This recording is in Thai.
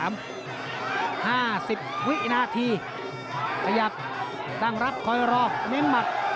๕๐วินาทีขยับตั้งรับคอยรอเน้นหมัด